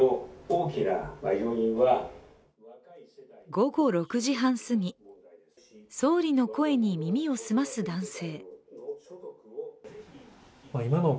午後６時半すぎ、総理の声に耳を澄ます男性。